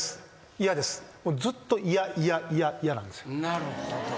なるほど。